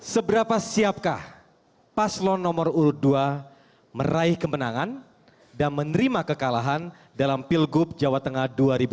seberapa siapkah paslon nomor urut dua meraih kemenangan dan menerima kekalahan dalam pilgub jawa tengah dua ribu delapan belas